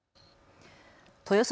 豊洲